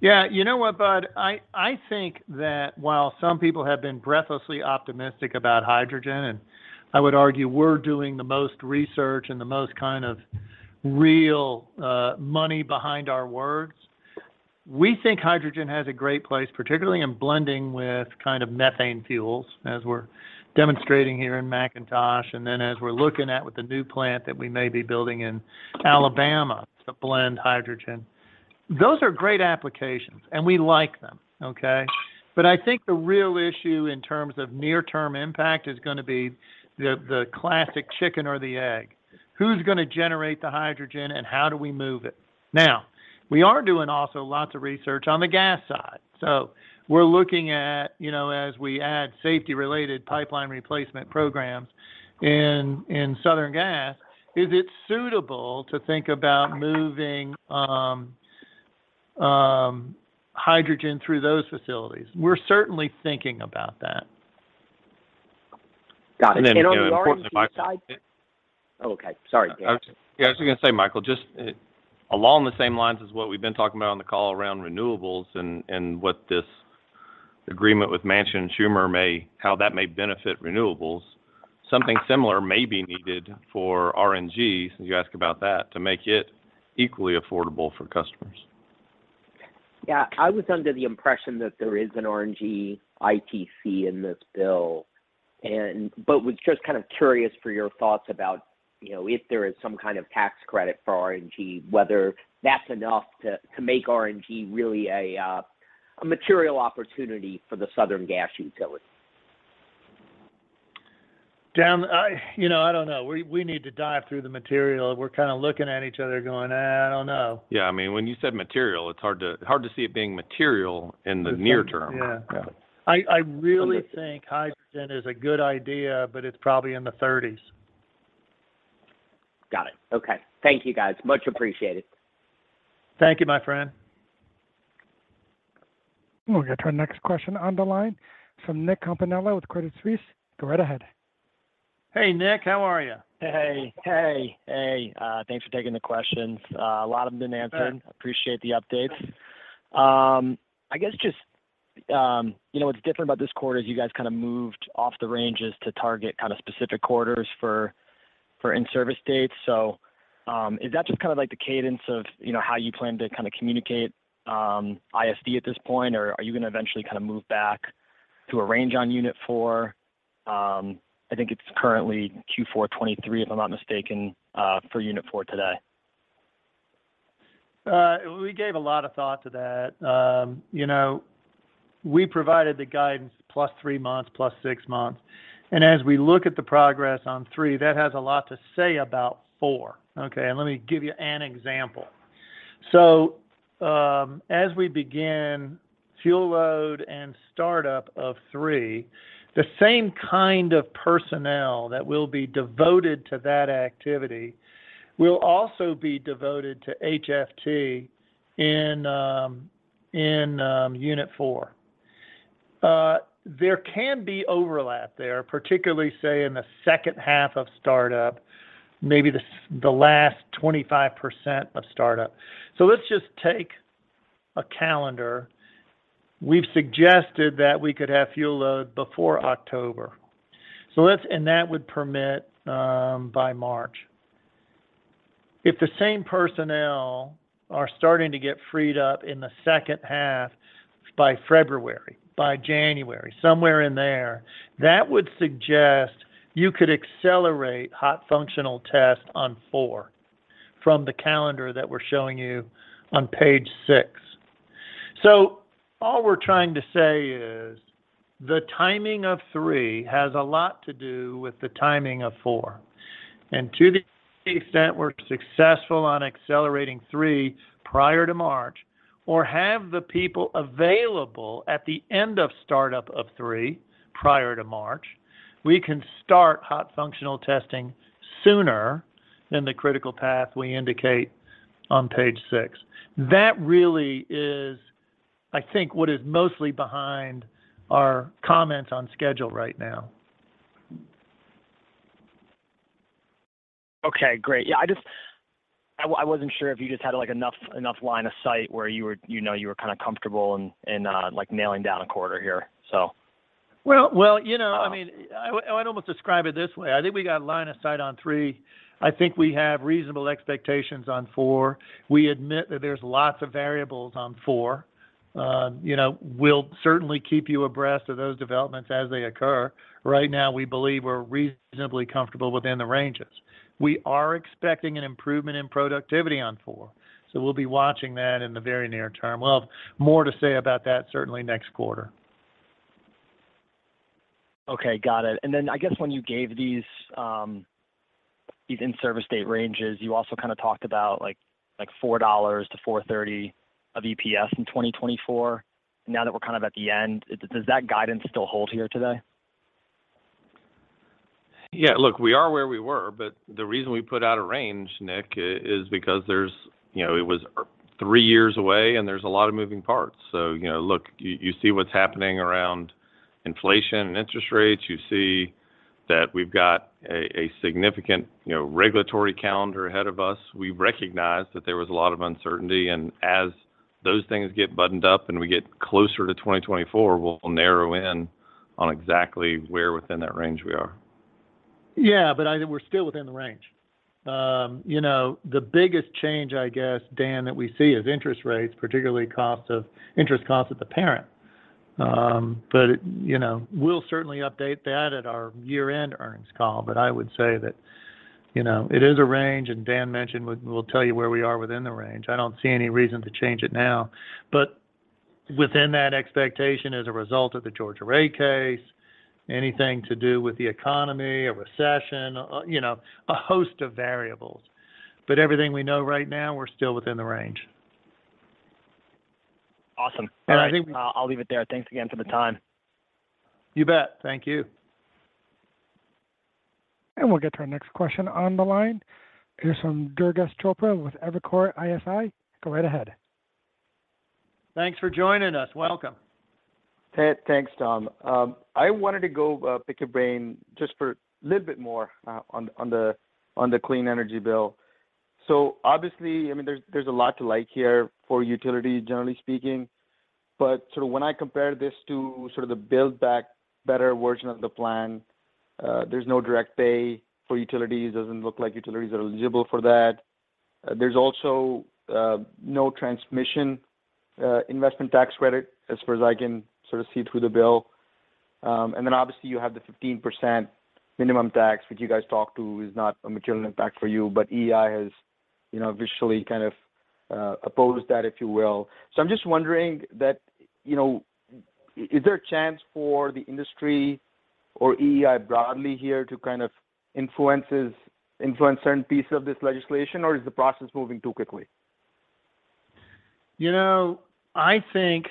Yeah. You know what, Bud? I think that while some people have been breathlessly optimistic about hydrogen, and I would argue we're doing the most research and the most kind of real money behind our words. We think hydrogen has a great place, particularly in blending with kind of methane fuels as we're demonstrating here in McIntosh and then as we're looking at with the new plant that we may be building in Alabama to blend hydrogen. Those are great applications, and we like them, okay? I think the real issue in terms of near-term impact is gonna be the classic chicken or the egg. Who's gonna generate the hydrogen, and how do we move it? Now, we are doing also lots of research on the gas side. We're looking at, you know, as we add safety-related pipeline replacement programs in Southern Gas, is it suitable to think about moving hydrogen through those facilities? We're certainly thinking about that. Got it. On the RNG side. you know, importantly, Michael. Oh, okay. Sorry, Dan. Yeah, I was just gonna say, Michael, just along the same lines as what we've been talking about on the call around renewables and what this agreement with Manchin and Schumer, how that may benefit renewables, something similar may be needed for RNG, since you asked about that, to make it equally affordable for customers. Yeah. I was under the impression that there is an RNG ITC in this bill, but was just kind of curious for your thoughts about, you know, if there is some kind of tax credit for RNG, whether that's enough to make RNG really a material opportunity for the Southern Company Gas utility. Dan, you know, I don't know. We need to dive through the material. We're kinda looking at each other going, "I don't know. Yeah, I mean, when you said material, it's hard to see it being material in the near term. Yeah. Yeah. I really think hydrogen is a good idea, but it's probably in the thirties. Got it. Okay. Thank you, guys. Much appreciated. Thank you, my friend. We'll get our next question on the line from Nicholas Campanella with Credit Suisse. Go right ahead. Hey, Nick. How are you? Hey, thanks for taking the questions. A lot of them been answered. Yeah. Appreciate the updates. I guess just, you know, what's different about this quarter is you guys kinda moved off the ranges to target kinda specific quarters for in-service dates. Is that just kinda like the cadence of, you know, how you plan to kinda communicate ISD at this point? Or are you gonna eventually kinda move back to a range on Unit 4? I think it's currently Q4 2023, if I'm not mistaken, for Unit 4 today. We gave a lot of thought to that. You know, we provided the guidance plus three months, plus six months, and as we look at the progress on three, that has a lot to say about four. Okay. Let me give you an example. As we begin fuel load and startup of three, the same kind of personnel that will be devoted to that activity will also be devoted to HFT in Unit 4. There can be overlap there, particularly, say, in the second half of startup, maybe the last 25% of startup. Let's just take a calendar. We've suggested that we could have fuel load before October. That would permit by March. If the same personnel are starting to get freed up in the second half by February, by January, somewhere in there, that would suggest you could accelerate hot functional test on four from the calendar that we're showing you on page six. All we're trying to say is the timing of three has a lot to do with the timing of four. To the extent we're successful on accelerating three prior to March or have the people available at the end of startup of three prior to March, we can start hot functional testing sooner than the critical path we indicate on page six. That really is, I think, what is mostly behind our comments on schedule right now. Okay, great. Yeah, I wasn't sure if you just had, like, enough line of sight where you were, you know, you were kinda comfortable in, like, nailing down a quarter here. So? Well, you know, I mean, I would almost describe it this way. I think we got line of sight on 3. I think we have reasonable expectations on 4. We admit that there's lots of variables on 4. You know, we'll certainly keep you abreast of those developments as they occur. Right now, we believe we're reasonably comfortable within the ranges. We are expecting an improvement in productivity on 4. We'll be watching that in the very near term. We'll have more to say about that certainly next quarter. Okay. Got it. I guess when you gave these in-service date ranges, you also kind of talked about like $4-$4.30 of EPS in 2024. Now that we're kind of at the end, does that guidance still hold here today? Yeah. Look, we are where we were, but the reason we put out a range, Nick, is because there's, you know, it was 3 years away, and there's a lot of moving parts. You know, look, you see what's happening around inflation and interest rates. You see that we've got a significant, you know, regulatory calendar ahead of us. We recognize that there was a lot of uncertainty. As those things get buttoned up and we get closer to 2024, we'll narrow in on exactly where within that range we are. Yeah. I think we're still within the range. You know, the biggest change, I guess, Dan, that we see is interest rates, particularly interest cost of the parent. You know, we'll certainly update that at our year-end earnings call. I would say that, you know, it is a range, and Dan mentioned we'll tell you where we are within the range. I don't see any reason to change it now. Within that expectation as a result of the Georgia rate case, anything to do with the economy or recession, you know, a host of variables. Everything we know right now, we're still within the range. Awesome. I think. All right. I'll leave it there. Thanks again for the time. You bet. Thank you. We'll get to our next question on the line. Here's from Durgesh Chopra with Evercore ISI. Go right ahead. Thanks for joining us. Welcome. Hey. Thanks, Tom. I wanted to go pick your brain just for a little bit more on the clean energy bill. Obviously, I mean, there's a lot to like here for utilities, generally speaking. Sort of when I compare this to sort of the Build Back Better version of the plan, there's no direct pay for utilities. It doesn't look like utilities are eligible for that. There's also no transmission investment tax credit as far as I can sort of see through the bill. And then obviously you have the 15% minimum tax, which you guys talked about, is not a material impact for you. EEI has, you know, visibly kind of opposed that, if you will. I'm just wondering that, you know, is there a chance for the industry or EEI broadly here to kind of influence certain pieces of this legislation, or is the process moving too quickly? You know, I think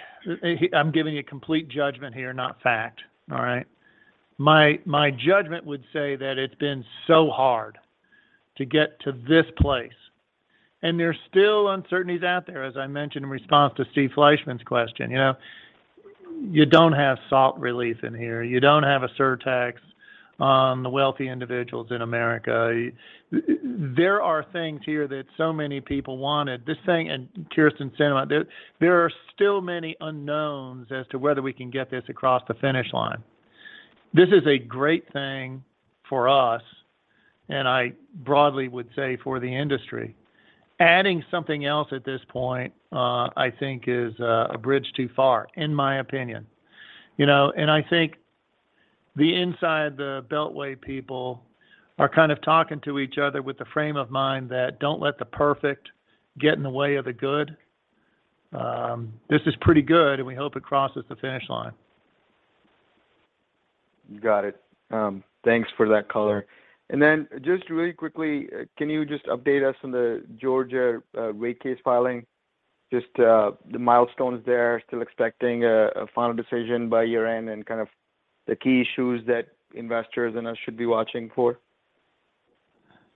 I'm giving you complete judgment here, not fact. All right? My judgment would say that it's been so hard to get to this place, and there's still uncertainties out there, as I mentioned in response to Steve Fleishman's question. You know, you don't have SALT relief in here. You don't have a surtax on the wealthy individuals in America. There are things here that so many people wanted. This thing, and Kyrsten Sinema, there are still many unknowns as to whether we can get this across the finish line. This is a great thing for us, and I broadly would say for the industry. Adding something else at this point, I think is a bridge too far, in my opinion. You know, I think the inside-the-beltway people are kind of talking to each other with the frame of mind that don't let the perfect get in the way of the good. This is pretty good, and we hope it crosses the finish line. Got it. Thanks for that color. Just really quickly, can you just update us on the Georgia rate case filing? Just the milestones there, still expecting a final decision by year-end and kind of the key issues that investors and us should be watching for.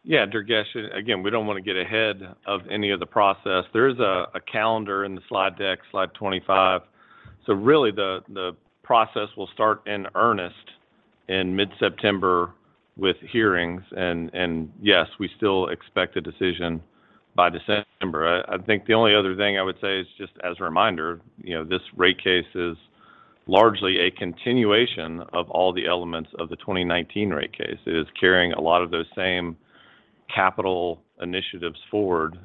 Yeah. Durgesh, again, we don't want to get ahead of any of the process. There is a calendar in the slide deck, slide 25. Really the process will start in earnest in mid-September with hearings. Yes, we still expect a decision by December. I think the only other thing I would say is just as a reminder, you know, this rate case is largely a continuation of all the elements of the 2019 rate case. It is carrying a lot of those same capital initiatives forward.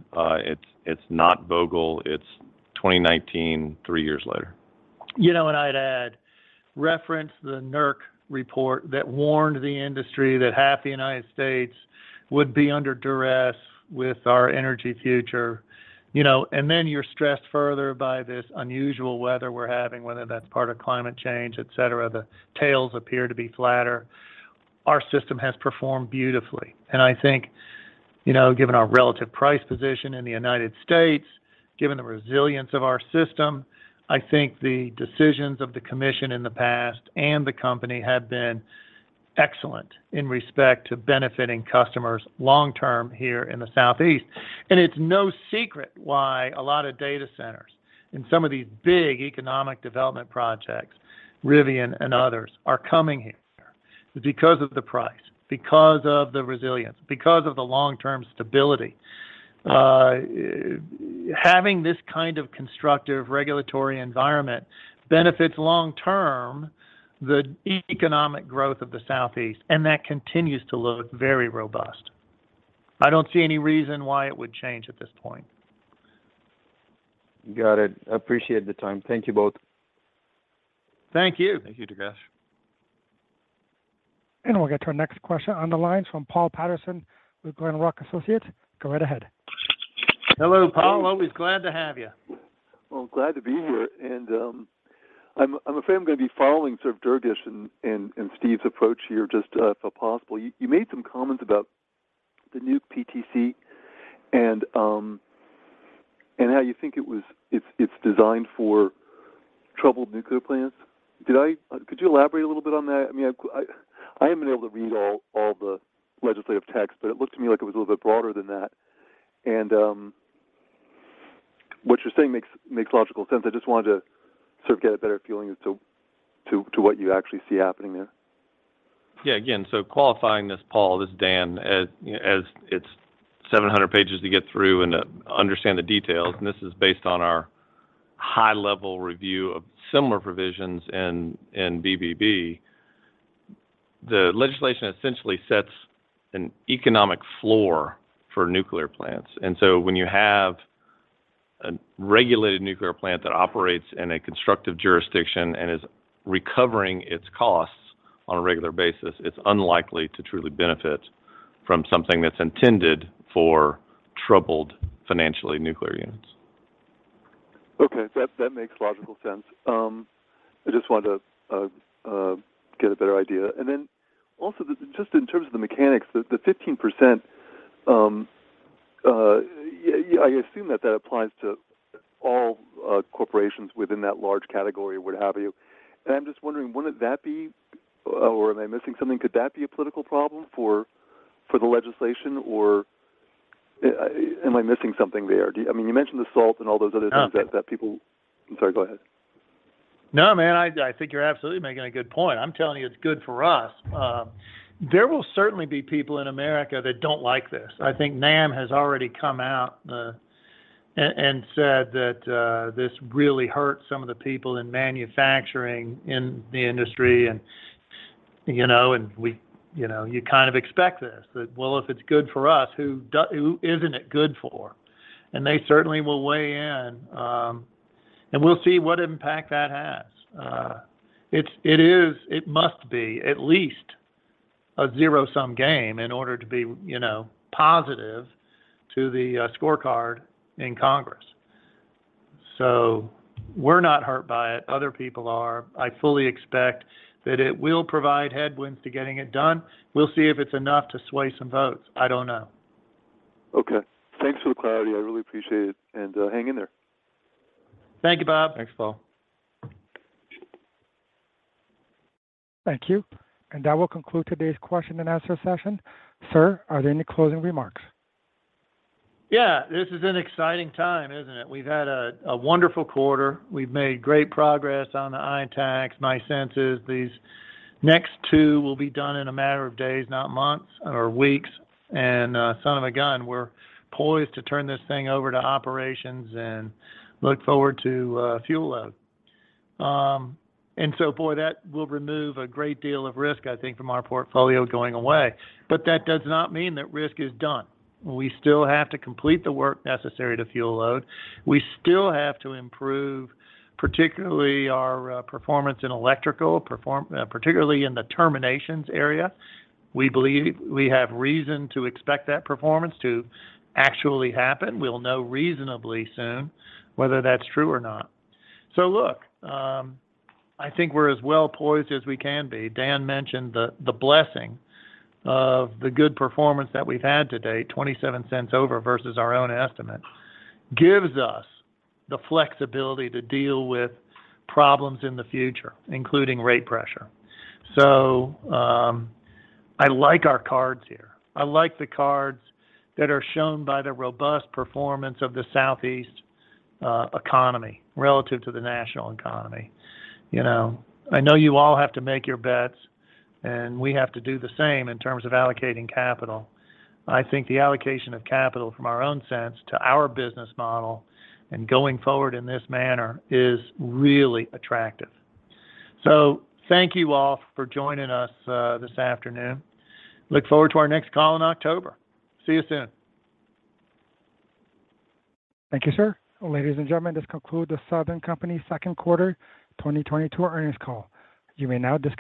It's not Vogtle. It's 2019 three years later. You know, I'd add, reference the NERC report that warned the industry that half the United States would be under duress with our energy future. You know, then you're stressed further by this unusual weather we're having, whether that's part of climate change, etc. The tails appear to be flatter. Our system has performed beautifully, and I think, you know, given our relative price position in the United States, given the resilience of our system, I think the decisions of the commission in the past and the company have been excellent in respect to benefiting customers long term here in the Southeast. It's no secret why a lot of data centers and some of these big economic development projects, Rivian and others, are coming here. Because of the price, because of the resilience, because of the long-term stability. Having this kind of constructive regulatory environment benefits long-term the economic growth of the Southeast, and that continues to look very robust. I don't see any reason why it would change at this point. Got it. I appreciate the time. Thank you both. Thank you. Thank you, Durgesh. We'll get to our next question on the line from Paul Patterson with Glenrock Associates. Go right ahead. Hello, Paul. Always glad to have you. Well, glad to be here. I'm afraid I'm gonna be following sort of Durgesh and Steve's approach here just if possible. You made some comments about the new PTC and how you think it was. It's designed for troubled nuclear plants. Could you elaborate a little bit on that? I mean, I haven't been able to read all the legislative texts, but it looked to me like it was a little bit broader than that. What you're saying makes logical sense. I just wanted to sort of get a better feeling as to what you actually see happening there. Yeah. Again, qualifying this, Paul, this is Dan. As it's 700 pages to get through and understand the details, and this is based on our high-level review of similar provisions in BBB. The legislation essentially sets an economic floor for nuclear plants. When you have a regulated nuclear plant that operates in a constructive jurisdiction and is recovering its costs on a regular basis, it's unlikely to truly benefit from something that's intended for financially troubled nuclear units. Okay. That makes logical sense. I just wanted to get a better idea. Then also just in terms of the mechanics, the 15%, I assume that applies to all corporations within that large category or what have you. I'm just wondering, wouldn't that be, or am I missing something, could that be a political problem for the legislation, or am I missing something there? I mean, you mentioned the SALT and all those other things that No. I'm sorry, go ahead. No, man, I think you're absolutely making a good point. I'm telling you, it's good for us. There will certainly be people in America that don't like this. I think NAM has already come out and said that this really hurts some of the people in manufacturing in the industry. You know, you kind of expect this. Well, if it's good for us, who isn't it good for? They certainly will weigh in, and we'll see what impact that has. It is, it must be at least a zero-sum game in order to be, you know, positive to the scorecard in Congress. We're not hurt by it. Other people are. I fully expect that it will provide headwinds to getting it done. We'll see if it's enough to sway some votes. I don't know. Okay. Thanks for the clarity. I really appreciate it. Hang in there. Thank you, Bob. Thanks, Paul. Thank you. That will conclude today's question-and-answer session. Sir, are there any closing remarks? Yeah. This is an exciting time, isn't it? We've had a wonderful quarter. We've made great progress on the ITAACs. My sense is these next two will be done in a matter of days, not months or weeks. Son of a gun, we're poised to turn this thing over to operations and look forward to fuel load. Boy, that will remove a great deal of risk, I think, from our portfolio going away. But that does not mean that risk is done. We still have to complete the work necessary to fuel load. We still have to improve, particularly our performance in electrical terminations area. We believe we have reason to expect that performance to actually happen. We'll know reasonably soon whether that's true or not. Look, I think we're as well poised as we can be. Dan mentioned the blessing of the good performance that we've had today, $0.27 over versus our own estimate, gives us the flexibility to deal with problems in the future, including rate pressure. I like our cards here. I like the cards that are shown by the robust performance of the Southeast economy relative to the national economy. You know? I know you all have to make your bets, and we have to do the same in terms of allocating capital. I think the allocation of capital from our own sense to our business model and going forward in this manner is really attractive. Thank you all for joining us this afternoon. Look forward to our next call in October. See you soon. Thank you, sir. Ladies and gentlemen, this concludes the Southern Company Second Quarter 2022 Earnings Call. You may now disconnect.